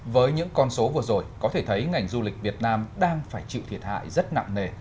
với những con số vừa rồi có thể thấy ngành du lịch việt nam đang phải chịu thiệt hại rất nặng nề